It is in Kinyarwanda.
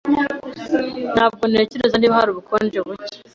Ntabwo ntekereza niba hari ubukonje buke.